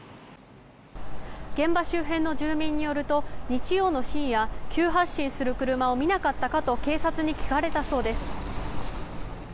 現場周辺の住民によると日曜の深夜急発進する車を見なかったかと警察に聞かれたそうです。